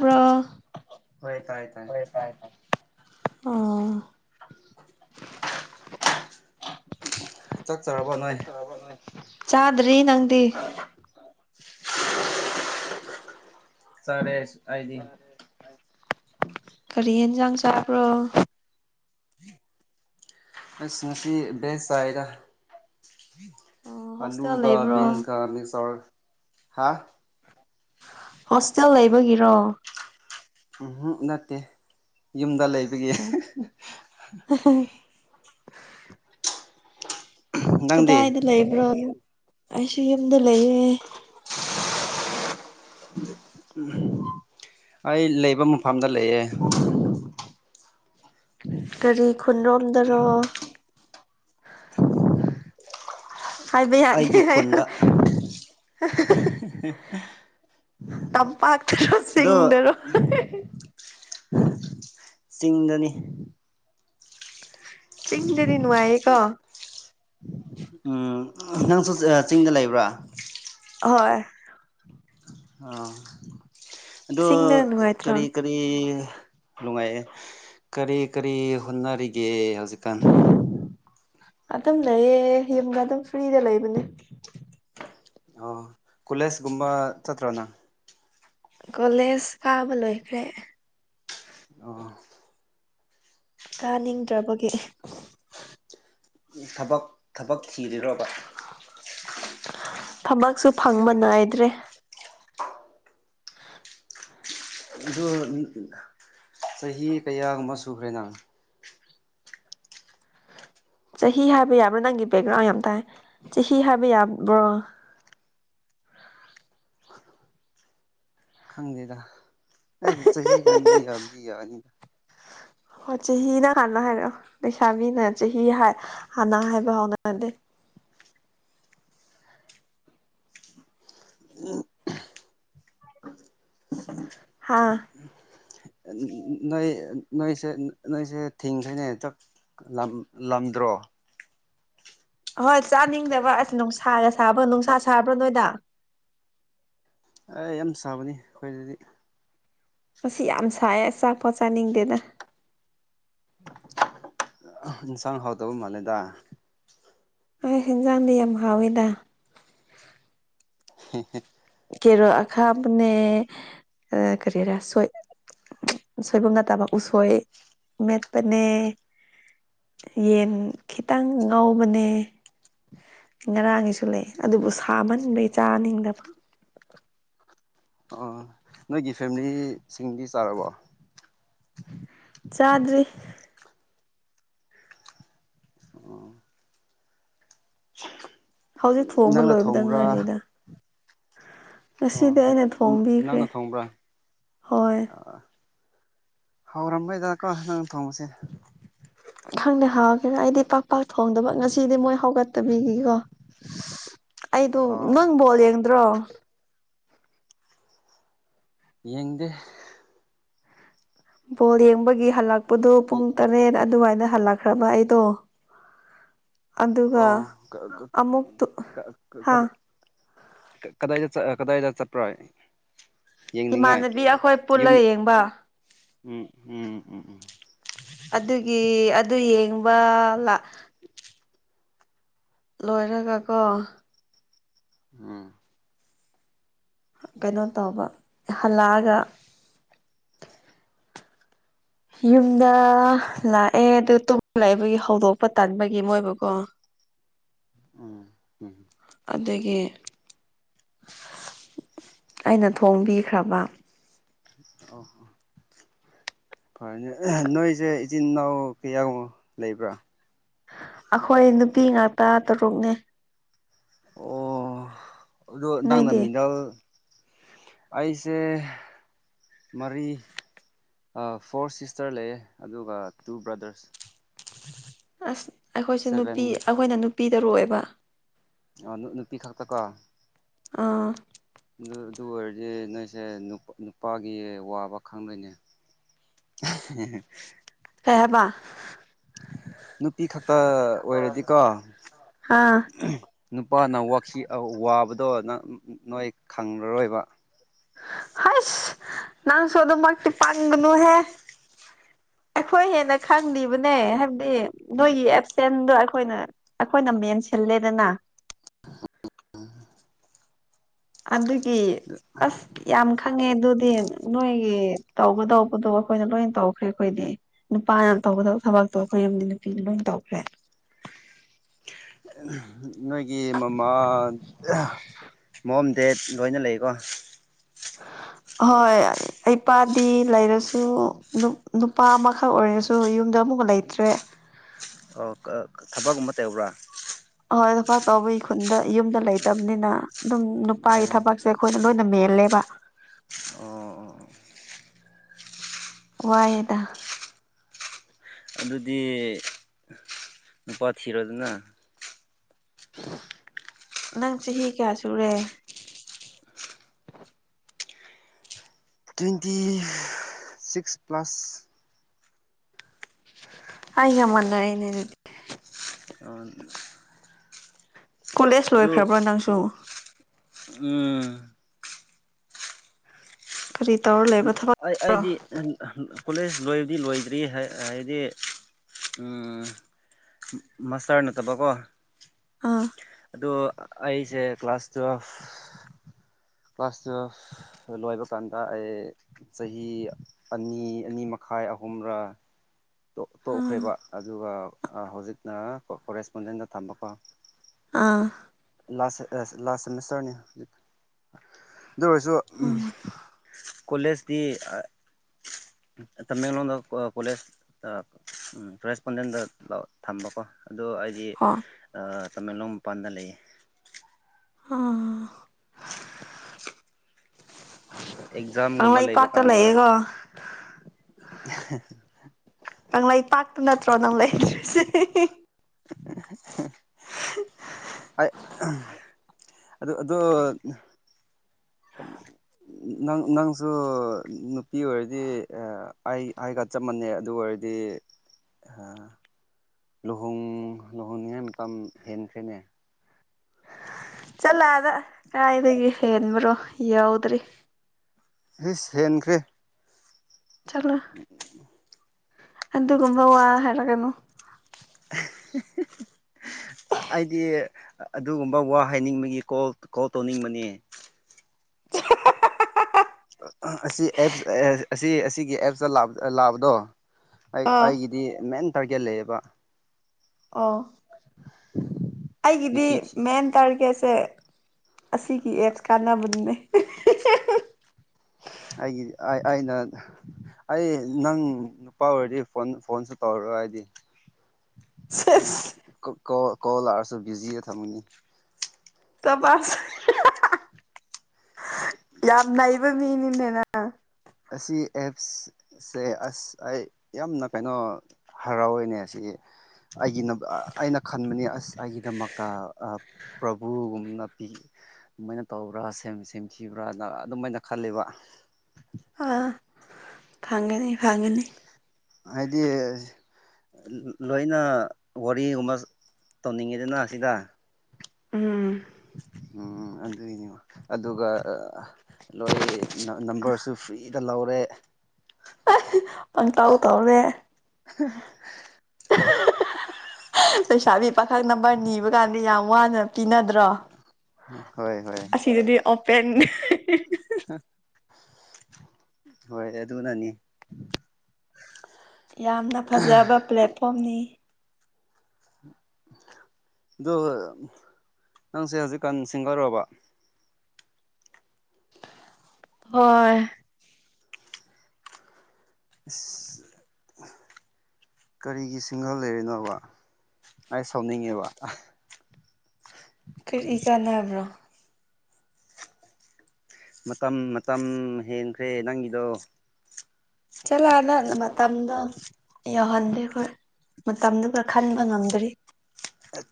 ꯎꯔꫭ ꯍꯣꯏꯣꯏ ꯇ ꯇ ꯑꯣ ꯎ ꯆ [unintelligible] ꯆꯥꯗ꯭ꯔꯤ ꯅꯪꯗꯤ ꯆꯔꯦ ꯍꯥꯏꯗꯤ ꯀꯔꯤ ꯌꯦꯟꯁꯥꯡ ꯆꯥꯕ꯭ꯔꯣ ꯃꯁꯤꯄꯤ ꯕꯦꯁꯥꯏꯗ ꯑꯣ ꯍꯣꯁꯇꯦꯜ ꯑꯂꯨꯒ ꯂꯩꯕ꯭ꯔꯣ ꯕꯤꯟꯁ ꯀ ꯃꯤꯛꯁ ꯍꯥ ꯍꯣꯁꯇꯦꯜ ꯂꯩꯕꯒꯤꯔꯣ ꯎꯝ ꯅꯠꯇꯦ ꯌꯨꯝꯗ ꯂꯩꯕꯒꯤ ꯑꯣ [unintelligible] ꯅꯪꯗꯤ ꯀꯗꯥꯏꯗ ꯂꯩꯕ꯭ꯔꯣ ꯑꯩꯁꯨ ꯌꯨꯝꯗ ꯂꯩꯌꯦ ꯎꯝ ꯑꯩ ꯂꯩꯕ ꯃꯐꯝꯗ ꯂꯩꯑꯦ ꯀꯒꯥꯔꯤ ꯈꯨꯟꯔꯣꯝꯗꯔꯣ ꯍꯥꯏꯕ ꯌꯥꯗꯦ ꯑꯩꯒꯤ ꯍꯥꯏꯌꯣ ꯈꯨꯟꯗ ꯇꯝꯄꯥꯛꯇꯔꯣ ꯑꯗꯣ ꯆꯤꯡꯗꯔꯣ ꯆꯤꯡꯗꯅꯤ ꯆꯤꯡꯗꯗꯤ ꯅꯨꯡꯉꯥꯏꯌꯦ ꯀꫭ ꯎꯝ ꯅꯪꯁꯨ ꯆꯤꯡꯗ ꯂꯩꯕ꯭ꯔ ꯍꯣꯏ ꯑ ꯑꯣ ꯆꯤꯡꯗ ꯅꯨꯡꯉꯥꯏꯇ꯭ꯔꯣ ꯀꯔꯤ ꯀꯔꯤ ꯅꯨꯡꯉꯥꯏꯑꯦ ꯀꯔꯤ ꯀꯔꯤ ꯍꯣꯠꯅꯔꯤꯒꯦ ꯍꯧꯖꯤꯛꯀꯥꯟ ꯑꯗꯨꯝ ꯂꯩꯌꯦ ꯌꯨꯝꯒ ꯑꯗꯨꯝ ꯐ꯭ꯔꯤꯗ ꯂꯩꯕꯅꯦ ꯑꯣ ꯈꯨꯂꯦꯁꯒꯨꯝꯕ ꯆꯠꯇ꯭ꯔꯅꯥ ꯀꯣꯂꯦꯖ ꯀꯥꯕ ꯂꯣꯏꯈ꯭ꯔꯦ ꯑꯣ ꯀꯥꯅꯤꯡꯗ꯭ꯔꯕꯒꯤ ꯊꯕꯛ ꯊꯕꯛ ꯊꯤꯔꯤ꯭ꯔꯕ ꯊꯕꯛꯁꯨ ꯐꯪꯕ ꯅꯥꯏꯗ꯭ꯔꯦ ꯑꯗꯨꯗ ꯆꯍꯤ ꯀꯌꯥꯒꯨꯝꯕ ꯁꯨꯈ꯭ꯔꯦ ꯅꯪ ꯆꯍꯤ ꯍꯥꯏꯕ ꯌꯥꯕ꯭ꯔꯥ ꯅꯪꯒꯤ ꯕꯦꯛꯒ꯭ꯔꯥꯎꯟ ꯌꯥꯝ ꯇꯥꯏ ꯆꯍꯤ ꯍꯥꯏꯕ ꯌꯥꯕ꯭ꯔꯣ [unintelligible] ꯈꯪꯗꯦꯗ ꯑꯩ ꯆꯍꯤꯒꯨꯝꯕꯗꯤ ꯌꯥꯕꯨꯗꯤ ꯌꯥꯔꯅꯤꯗ ꯍꯣꯏ ꯆꯍꯤꯅ ꯍꯥꯟꯅ ꯍꯥꯏꯔꯛꯑꯣ ꯂꯩꯁꯥꯕꯤꯅ ꯆꯍꯤ ꯍꯥꯟꯅ ꯍꯥꯏꯕ ꯍꯧꯥꯎꯅꯔꯗꯦ [unintelligible] ꯍꯥꯥ ꯅꯣꯏ ꯅꯣꯏꯁꯦ ꯅꯣꯏꯁꯦ ꯊꯤꯡꯈꯣꯏꯅꯦ ꯍꯦꯛꯇ ꯂꯝꯗ꯭ꯔꯣ ꯍꯣꯏ ꯆꯥꯅꯤꯡꯗꯕ ꯑꯁ ꯅꯨꯡꯁꯥꯒ ꯁꯥꯕ꯭ꯔꯣ ꯅꯨꯡꯁꯥ ꯁꯥꯕ꯭ꯔꯣ ꯅꯣꯏꯗ ꯑꯩ ꯌꯥꯝ ꯁꯥꯕꯅꯤ ꯑꯩꯈꯣꯏꯗꯗꯤ ꯃꯁꯤ ꯌꯥꯝ ꯁꯥꯏ ꯑ ꯆꯥꯛꯄꯣꯠ ꯆꯥꯅꯤꯡꯗꯦꯅ ꯏꯟꯁꯥꯡ ꯍꯥꯎꯇꯕ ꯃꯥꯜꯂꯦꯗ ꯑꯩ ꯍꯦꯟꯖꯥꯡꯗꯤ ꯌꯥꯝ ꯍꯥꯎꯋꯤꯗ ꯍ ꯀꯦꯔꯣ ꯑꯈꯥꯕꯅꯦ ꯀꯔꯤ ꯔꯁꯣꯏ ꯁꯣꯏꯕꯨꯝꯗ ꯇꯕ ꯎꯁꯣꯏ ꯃꯦꯠꯄꯅꯦ ꯌꯦꯟ ꯈꯤꯇꯪ ꯉꯥꯎꯕꯅꯦ ꯉꯔꯥꯡꯒꯤꯁꯨ ꯂꯩ ꯑꯗꯨꯕꯨ ꯁꯥꯃꯟꯕꯩ ꯆꯥꯅꯤꯡꯗꯕ ꯑꯥ ꯅꯣꯏꯒꯤ ꯐꯦꯃꯤꯂꯤ ꯁꯤꯡꯗꯤ ꯆꯥꯔꯕꯣ ꯆꯥꯗꯔꯤ ꯑꯣ ꯍꯧꯖꯤꯛ ꯊꯣꯡꯕ ꯅꯪꯅ ꯂꯣꯏꯕꯗ ꯊꯣꯡꯕ꯭ꯔꯥ ꯉꯥꯏꯔꯤꯗ ꯑꯣ ꯉꯁꯤꯗꯤ ꯑꯩꯅ ꯊꯣꯡꯕꯤꯈ꯭ꯔꯦ ꯅꯪꯅ ꯊꯣꯡꯕ꯭ꯔꯥ ꯍꯣꯏ ꯍꯥꯎꯔꯝꯃꯣꯏꯗꯀꯣ ꯅꯪ ꯊꯣꯡꯕꯁꯦ ꯈꯪꯗꯦ ꯍꯥꯎꯒꯦꯔ ꯑꯩꯗꯤ ꯄꯥꯛ ꯄꯥꯛ ꯊꯣꯡꯗꯕ ꯉꯁꯤꯗꯤ ꯃꯣꯏ ꯍꯧꯒꯠꯇꯕꯤꯅꯤꯀꯣ ꯁ ꯑꯩꯗꯣ ꯑꯣ ꯅꯪ ꯕꯣꯜ ꯌꯦꯡꯗ꯭ꯔꯣ ꯌꯦꯡꯗꯦ ꯕꯣꯜ ꯌꯦꯡꯕꯒꯤ ꯍꯜꯂꯛꯄꯗꯨ ꯄꯨꯡ ꯇꯔꯦꯠ ꯑꯗ ꯑꯗꯨꯃꯥꯏꯅ ꯍꯜꯂꯛꯈ꯭ꯔꯕ ꯑꯩꯗꯣ ꯑꯗꯨꯒ ꯑꯣ ꯀ ꯀ ꯑꯃꯨꯛꯇꯨ ꯀ ꯀ ꯀ ꯍꯥ ꯀꯗꯥꯥ ꯀꯀꯗꯥꯏꯗ ꯆ ꯑꯥ ꯀꯗꯥꯏꯗ ꯆꯠꯄ꯭ꯔꯥ ꯌꯦꯡꯅꯤꯡꯉꯥꯏ ꯏꯃꯥꯟꯅꯕꯤ ꯑꯈꯣꯏ ꯄꯨꯜꯂ ꯌꯨꯝ ꯌꯦꯡꯕ ꯎꯝ ꯎꯝ ꯎꯝ ꯎꯝ ꯑꯗꯨꯒꯤ ꯑꯗꯨ ꯌꯦꯡꯕ ꯂꯥ ꯂꯣꯏꯔꯒꯀꯣ ꯎꯝ ꯀꯩꯅꯣ ꯇꯧꯕ ꯍꯜꯂꯛꯑꯒ ꯌꯨꯝꯗ ꯂꯥꯛꯑꯦ ꯑꯗꯨ ꯇꯨꯝ ꯂꯩꯕꯒꯤ ꯍꯧꯗꯣꯛꯄ ꯇꯟꯕꯒꯤ ꯃꯣꯏꯕꯨꯀꯣ ꯎꯝ ꯎꯝ ꯑꯗꯒꯤ ꯑꯩꯅ ꯊꯣꯡꯕꯤꯈ꯭ꯔꯕ ꯑꯣ ꯑꯣ ꯐꯔꯦꯅꯦ ꯑꯥ ꯅꯣꯏꯖꯦ ꯏꯆꯤꯟ ꯏꯅꯥꯎ ꯀꯌꯥꯒꯨ ꯂꯩꯕ꯭ꯔꯥ ꯑꯈꯣꯏ ꯅꯨꯄꯤ ꯉꯥꯛꯇ ꯇꯔꯨꯛꯅꯦ ꯑꯣ ꯑꯗꯣ ꯅꯪꯅ ꯅꯣꯏꯗꯤ ꯃꯤꯗꯜ ꯑꯩꯁꯦ ꯃꯔꯤ ꯑꯥ ꯐꯣꯔ ꯁꯤꯁꯇꯔ ꯂꯩꯌꯦ ꯑꯗꯨꯒ ꯇꯨ ꯕ꯭ꯔꯗꯔꯁ ꯑꯁ ꯑꯈꯣꯏꯁꯨ ꯁꯚꯦꯟ ꯅꯨꯄꯤ ꯑꯩꯈꯣꯏꯅ ꯅꯨꯄꯤꯗꯔꯣꯏꯕ ꯑꯥ ꯅꯨꯅꯨꯄꯤ ꯈꯥꯛꯇꯀꯣ ꯑꯥ ꯑꯗꯨ ꯑꯗꯨ ꯑꯣꯏꯔꯗꯤ ꯅꯣꯏꯁꯦ ꯅꯨ ꯅꯨꯄꯥꯒꯤ ꯋꯥꯕ ꯈꯪꯉꯣꯏꯅꯦ [inaudible] ꯀꯩꯍꯥꯏꯕ ꯅꯨꯄꯤ ꯈꯛꯇ ꯑꯣꯏꯔꯗꯤꯀꯣ ꯑꯥ ꯎꯝ ꯅꯨꯄꯥꯅ ꯋꯈꯤ ꯑꯥ ꯋꯥꯕꯗꯣ ꯅ ꯑꯥ ꯅꯣꯏ ꯈꯪꯂꯔꯣꯏꯕ ꯍꯁ ꯅꯪꯁꯨ ꯑꯗꯨ ꯃꯛꯇꯤ ꯄꯪꯒꯅꯨꯍꯦ [inaudible] ꯑꯈꯣꯏ ꯍꯦꯟꯅ ꯈꯪꯂꯤꯕꯅꯦ ꯍꯥꯏꯕꯗꯤ ꯅꯣꯏꯒꯤ ꯑꯦꯞꯁꯦꯟꯗꯣ ꯑꯈꯣꯏꯅ ꯑꯈꯣꯏꯅ ꯃꯦꯟꯁꯤꯜꯂ ꯂꯦꯗꯅ [inaudible] ꯑꯗꯨꯒꯤ ꯑꯁ ꯌꯥꯝ ꯈꯪꯉꯦ ꯑꯗꯨꯗꯤ ꯅꯣꯏꯒꯤ ꯇꯧꯒꯗꯧꯕꯗꯣ ꯑꯈꯣꯏꯅ ꯂꯣꯏꯅ ꯇꯧꯈ꯭ꯔꯦ ꯑꯈꯣꯏꯗꯤ ꯅꯨꯄꯥꯅ ꯇꯧꯒꯗꯧ ꯊꯕꯛꯇꯣ ꯑꯈꯣꯏ ꯌꯨꯝꯒꯤ ꯅꯨꯄꯤꯅ ꯂꯣꯏ ꯇꯧꯈ꯭ꯔꯦ ꯑꯝ ꯅꯣꯏꯒꯤ ꯃꯃꯥ ꯍꯦꯝ ꯃꯦꯝ ꯗꯦꯠ ꯂꯣꯏꯅ ꯂꯩꯀꯣ ꯍꯣꯏ ꯏꯄꯥꯗꯤ ꯂꯩꯔꯁꯨ ꯅꯨꯞ ꯅꯨꯄꯥ ꯑꯃꯈꯛ ꯑꯣꯏꯔꯁꯨ ꯌꯨꯝꯗ ꯑꯃꯨꯀ ꯂꯩꯇ꯭ꯔꯦ ꯑꯣ ꯀ ꯑ ꯊꯕꯛꯀꯨꯝꯕ ꯇꯧꯕ꯭ꯔꯥ ꯑꯔꯤꯄꯣꯛ ꯀꯕꯨꯏ ꯈꯨꯟꯗ ꯌꯨꯝꯗ ꯂꯩꯇꯝꯅꯤꯅ ꯗꯨꯝ ꯅꯨꯄꯥꯒꯤ ꯑꯣ ꯊꯕꯛꯁꯦ ꯈꯣꯏ ꯂꯣꯏꯅ ꯃꯦꯜꯂꯦꯕ ꯑꯣ ꯑꯣ ꯑꯣ ꯋꯥꯏꯗꯥ ꯑꯗꯨꯗꯤ ꯅꯨꯄꯥ ꯊꯤꯔ ꯑꯗꯨꯅ ꯅꯪ ꯆꯍꯤ ꯀꯌꯥ ꯁꯨꯔꯦ [unintelligible] ꯇ꯭ꯋꯦꯟꯇꯤ ꯁꯤꯛꯁ ꯄ꯭ꯂꯁ ꯑꯩꯒ ꯃꯅꯅꯦꯅꯗꯤ ꯑꯣ ꯀꯣꯂꯦꯖ ꯂꯣꯏꯈ꯭ꯔꯕ꯭ꯔꯣ ꯅꯪꯁꯨ ꯎꯝ ꯀꯔꯤ ꯇꯧꯔ ꯂꯩꯕ꯭ꯔꯣ ꯊꯕꯛ ꯔꯣ ꯑꯩꯗꯤ ꯀꯣꯂꯦꯖ ꯂꯣꯏꯕꯗꯤ ꯂꯣꯏꯗ꯭ꯔꯤ ꯍꯥꯏꯗꯤ ꯃꯥꯁꯇꯔ ꯅꯠꯇꯕꯀꯣ ꯑꯥ ꯑꯣ ꯑꯩꯁꯦ ꯀ꯭ꯂꯥꯁ ꯇꯨꯐ ꯀ꯭ꯂꯥꯁ ꯇꯨꯋ ꯂꯣꯏꯕ ꯀꯥꯟꯗ ꯑꯩ ꯆꯍꯤ ꯑꯅꯤ ꯑꯅꯤ ꯃꯈꯥꯏ ꯑꯍꯨꯝꯔꯥ ꯇꯣꯛꯈ꯭ꯔꯦꯕ ꯑꯗꯨꯒ ꯍꯧꯖꯤꯛꯅ ꯀꯣꯔꯦꯁꯄꯣꯟꯗꯦꯟꯗ ꯊꯝꯕꯀꯣ ꯑꯥ ꯂꯥꯁ ꯂꯥꯁ ꯁꯦꯃꯤꯁꯇꯔꯅꯤ ꯍꯧꯖꯤꯛ ꯑꯗꯨ ꯑꯣꯏꯔꯁꯨ ꯀꯣꯂꯦꯖꯇꯤ ꯇꯃꯦꯡꯂꯗ ꯀꯣꯂꯦꯖ ꯀꯣꯔꯣꯔꯦꯁꯄꯣꯟꯗꯦꯟꯗ ꯊꯝꯕꯀꯣ ꯑꯗꯣ ꯑꯩꯗꯤ ꯍꯣ ꯇꯃꯦꯡꯂꯣꯡ ꯃꯄꯥꯟꯗ ꯂꯩꯌꯦ [unintelligible] ꯑꯦꯛꯖꯥꯝꯒꯨꯝꯕ ꯂꯩꯕ ꯀꯪꯂꯩꯄꯥꯛꯥꯛꯇ ꯀꯥꯟꯗ ꯂꯩꯌꯦꯦꯒꯣ [unintelligible] ꯀꯪꯂꯩꯄꯥꯛꯥꯛꯇꯨ ꯅꯠꯇ꯭ꯔꯣ ꯅꯁꯦ [unintelligible] ꯑ ꯑꯗꯨ ꯑꯣ ꯅꯪ ꯅꯪꯁꯨ ꯅꯨꯄꯤ ꯑꯣꯏꯔꯗꯤ ꯑꯩ ꯑꯩꯒ ꯆꯞ ꯃꯥꯟꯅꯩ ꯑꯗꯨ ꯑꯣꯏꯔꯗꯤ ꯑ ꯂꯨꯍꯣꯡ ꯂꯨꯍꯣꯡꯅꯤꯉꯥꯏ ꯃꯇꯝ ꯍꯦꯟꯈ꯭ꯔꯦꯅꯦ ꯆꯠꯂꯗ ꯀꯥꯏꯗꯒꯤ ꯍꯦꯟꯦꯟꯕ꯭ꯔꯣ ꯌꯎꯗ꯭ꯔꯤ ꯑꯦ ꯍꯦꯟꯈ꯭ꯔꯦ ꯆꯠꯂꯣ ꯑꯗꯨꯒꯨꯝꯕ ꯋꯥ ꯍꯥꯏꯔꯒꯅꯨ [unintelligible] ꯑꯩꯗꯤ ꯑꯗꯨꯒꯨꯝꯕ ꯋꯥ ꯍꯥꯏꯅꯤꯡꯕꯒꯤ ꯀꯣꯜ ꯀꯣꯜ ꯇꯧꯅꯤꯡꯕꯅꯤ ꯑꯁꯤ ꯑꯦꯞꯁ ꯑꯁꯤ ꯑꯁꯤꯒꯤ ꯑꯦꯞꯁꯇ ꯂꯥꯛꯑꯕꯗꯣ ꯑꯩ ꯑꯥ ꯑꯩꯒꯤꯗꯤ ꯃꯦꯟ ꯇꯥꯔꯒꯦꯠ ꯂꯩꯌꯦꯕ ꯑꯣ ꯑꯩꯒꯤꯗꯤ ꯅꯨꯄꯤ ꯊꯤ ꯃꯦꯟ ꯇꯥꯔꯒꯦꯁ ꯁꯦ ꯑꯁꯤꯒꯤ ꯑꯦꯠꯁ ꯀꯥꯟꯅꯕꯅꯤꯅꯦ ꯑꯩꯒꯤ ꯑꯩꯅ ꯑꯩ ꯅꯪ ꯅꯨꯄꯥ ꯑꯣꯏꯔꯗꯤ ꯐꯣꯟ ꯐꯣꯟꯁꯨ ꯇꯧꯔꯣꯏ ꯇꯋꯥꯗꯤ ꯁ ꯀꯣ ꯀꯣꯜ ꯂꯥꯛꯑꯔꯁꯨ ꯕꯤꯖꯤꯌꯦ ꯊꯝꯃꯅꯤ ꯆꯕꯁ ꯌꯥꯝ ꯅꯩꯕ ꯃꯅꯤ ꯏꯅꯦꯅ ꯑꯁꯤ ꯑꯦꯞꯁꯁꯦ ꯑꯁ ꯑꯩ ꯌꯥꯝꯅ ꯀꯩꯅꯣ ꯍꯔꯥꯎꯋꯏꯅꯦ ꯑꯁꯤ ꯑꯩꯒꯤ ꯑꯩꯅ ꯈꯟꯕꯅꯤ ꯑꯁ ꯑꯩꯒꯤꯗꯃꯛꯇ ꯄ꯭ꯔꯚꯨꯒꯨꯝꯅ ꯄꯤ ꯑꯗꯨꯃꯥꯏꯅ ꯇꯧꯕ꯭ꯔꯥ ꯁꯦꯝꯈꯤꯕ꯭ꯔꯥꯅ ꯑꯗꯨꯃꯥꯏꯅ ꯈꯜꯂꯤꯕ ꯎ ꯑꯥ ꯐꯪꯒꯅꯤ ꯐꯪꯒꯅꯤ ꯍꯥꯏꯗꯤ ꯂꯣꯏꯅ ꯋꯥꯔꯤꯒꯨꯝꯕ ꯇꯧꯅꯤꯡꯉꯤꯗꯅ ꯁꯤꯗ ꯎꯝ ꯎꯝ ꯑꯗꯨꯏꯅꯤ ꯑꯗꯨꯒ ꯂꯣꯏ ꯅꯝꯕꯔꯁꯨ ꯐ꯭ꯔꯤꯗ ꯂꯧꯔꯦ ꯑꯪ ꯇꯥꯎ ꯇꯧꯔꯦ [unintelligible] ꯄꯩꯁꯥꯕꯤ ꯄꯥꯈꯪ ꯅꯝꯕꯔ ꯅꯤꯕ ꯀꯥꯟꯗ ꯌꯥꯝ ꯋꯥꯅ ꯄꯤꯅꯗ꯭ꯔꯣ ꯍꯣꯏ ꯍꯣꯏ ꯑꯁꯤꯗꯗꯤ ꯑꯣꯄꯦꯦ ꯍꯣꯏ ꯑꯗꯨꯅꯅꯤ ꯌꯥꯝꯅ ꯐꯖꯕ ꯄ꯭ꯂꯦꯠꯐꯣꯝꯅꯤ ꯑ ꯅꯪꯁꯦ ꯍꯧꯖꯤꯛꯀꯥꯟ ꯁꯤꯡꯒꯔ ꯑꯣꯏꯕ ꯍꯣꯏ ꯏꯁ ꯀꯔꯤꯒꯤ ꯁꯤꯡꯒ ꯂꯩꯔꯤꯅꯣꯕ ꯑꯩ ꯁꯥꯎꯅꯤꯡꯉꯦꯕ ꯀꯔꯤ ꯀꯥꯟꯅꯕ꯭ꯔꯣ ꯃꯇꯝ ꯃꯇꯝ ꯍꯦꯟꯈ꯭ꯔꯦ ꯅꯪꯒꯤꯗꯣ ꯆꯠꯂꯛꯑꯅ ꯃꯇꯝꯗꯣ ꯌꯧꯍꯟꯗꯦ ꯍꯣꯏ ꯃꯇꯝꯗꯨꯒ ꯈꯟꯕ ꯉꯝꯗ꯭ꯔꯤ ꯑ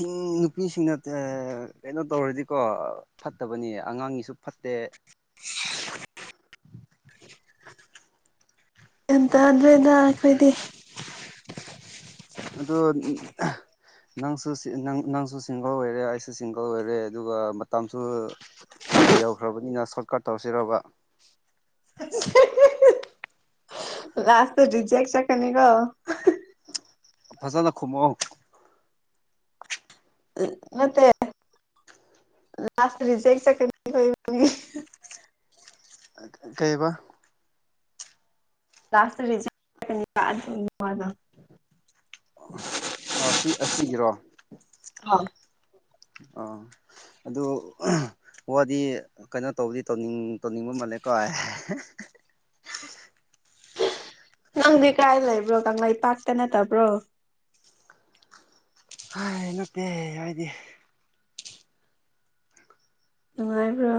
ꯤꯡ ꯅꯨꯄꯤꯁꯤꯡꯅ ꯀꯩꯅꯣ ꯇꯧꯔꯗꯤꯀꯣ ꯐꯠꯇꯕꯅꯤ ꯑꯉꯥꯡꯒꯤꯁꯨ ꯐꯠꯇꯦ ꯎꯆ ꯌꯥꯝꯟ ꯇꯥꯗ꯭ꯔꯣꯏꯗ ꯑꯩꯈꯣꯏꯗꯤ ꯑꯗꯣꯝ ꯅꯪꯁꯨ ꯅꯪꯁꯨ ꯁꯤꯡꯒꯜ ꯑꯣꯏꯔꯦ ꯑꯩꯁꯨ ꯁꯤꯡꯒꯜ ꯑꯣꯏꯔꯦ ꯑꯗꯨꯒ ꯃꯇꯝꯁꯨ ꯌꯧꯈ꯭ꯔꯕꯅꯤꯅ ꯁꯣꯔꯠꯀꯠ ꯇꯧꯔꯁꯤꯔꯕ ꯂꯥꯁꯇ ꯨꯖ ꯆ ꯈꯅꯤꯒꯣ ꯐꯁꯗꯈꯨꯝꯃ ꯎ ꯃꯦ ꯂꯥꯁ ꯔꯤꯖꯦꯛ ꯆꯠꯀꯅꯤꯣꯏ ꯀꯩꯕ ꯂꯇꯔꯤ ꯑ ꯁꯤ ꯑꯁꯤꯒꯤꯔꯣ ꯑꯥ ꯑꯥ ꯑꯗꯨ ꯋꯥꯗꯤ ꯀꯩꯅꯣ ꯇꯧꯕꯗꯤ ꯇꯧꯅꯤꯡ ꯇꯧꯅꯤꯡꯕ ꯃ ꯀ ꯅꯪꯗꯤ ꯀꯔꯥꯏ ꯂꯩꯕ꯭ꯔꯣ ꯀꯪꯂꯩꯄꯥꯛꯥꯛꯇ ꯅꯠꯇꯕ꯭ꯔꯣ ꯍꯥꯏ ꯅꯠꯇꯦ ꯍꯥꯏꯗꯤ ꯅꯨꯡꯉꯥꯏꯕ꯭ꯔꯥ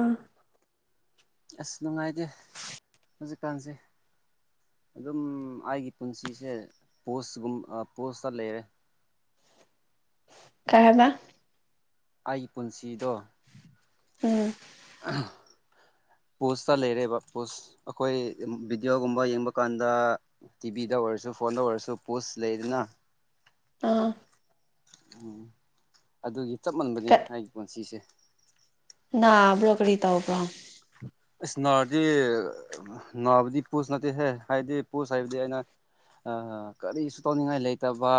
ꯑꯁ ꯅꯨꯡꯉꯥꯏꯇꯦ ꯍꯧꯖꯤꯛꯀꯥꯟꯁꯦ ꯑꯗꯨꯝ ꯑꯩꯒꯤ ꯄꯨꯟꯁꯤꯁꯦ ꯄꯣꯁꯒꯨꯝ ꯄꯣꯁꯇ ꯂꯩꯔꯦ ꯀꯥꯏꯃ ꯑꯩꯒꯤ ꯄꯨꯟꯁꯤꯗꯣ ꯎꯝ ꯄꯣꯁꯇ ꯂꯩꯔꯦꯕ ꯄꯣꯁ ꯑꯩꯈꯣꯏ ꯚꯤꯗꯤꯑꯣꯒꯨꯝꯕ ꯌꯦꯡꯕ ꯀꯥꯟꯗ ꯇꯤꯚꯤꯗ ꯑꯣꯏꯔꯁꯨ ꯐꯣꯂꯣ ꯑꯣꯏꯔꯁꯨ ꯄꯣꯁ ꯂꯩꯗ ꯅ ꯑꯥ ꯎꯝ ꯑꯗꯨꯒꯤ ꯆꯞ ꯃꯟꯕꯅꯦ ꯑꯩꯒꯤ ꯄꯨꯟꯁꯤꯁꯦ ꯅꯥ ꯭ꯔꯣꯀꯔꯤ ꯇꯧ ꯄ꯭ꯔꯣ ꯑꯁ ꯅꯥꯔꯗꯤ ꯅꯥꯕꯗꯤ ꯄꯨꯣꯁ ꯅꯠꯇꯦꯍꯦ ꯍꯥꯏꯗꯤ ꯄꯨꯣꯁ ꯍꯥꯏꯕꯗꯤ ꯑꯩꯅ ꯑ ꯀꯔꯤꯁꯨ ꯇꯧꯅꯤꯡꯉꯥꯏ ꯂꯩꯇꯕ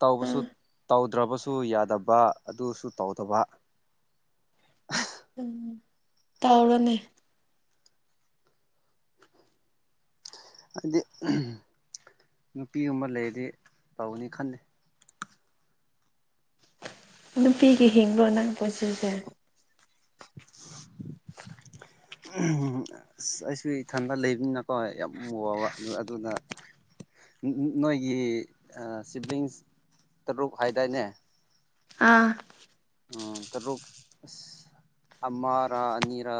ꯇ ꯎꯝ ꯇꯧꯗ꯭ꯔꯕꯁꯨ ꯌꯥꯗꯕ ꯑꯗꯨꯁꯨ ꯇꯧꯗꯕ [unintelligible] ꯎꯝ ꯇꯥꯎꯔꯅꯦ ꯍꯥꯏꯗꯤ ꯅꯨꯄꯤꯒꯨꯝꯕ ꯂꯩꯔꯗꯤ ꯇꯧꯅꯤ ꯈꯟꯜꯂꯤꯅꯦ ꯅꯨꯄꯤꯒꯤ ꯍꯤꯡꯕ ꯅꯪ ꯄꯨꯟꯁꯤꯁꯦ [inaudible] ꯑꯁ ꯑꯩꯁꯨ ꯏꯊꯟꯗ ꯂꯩꯕꯅꯤꯅꯀꯣ ꯌꯥꯝ ꯋꯥꯕ ꯑꯗꯨꯅ ꯅꯣꯏꯒꯤ ꯁꯤꯕ꯭ꯂꯤꯡꯁ ꯇꯔꯨꯛ ꯍꯥꯏꯗꯥꯏꯅꯦ ꯑꯥ ꯎꯝ ꯇꯔꯨꯛ ꯑ ꯑꯃꯔꯥ ꯑꯅꯤꯔꯥ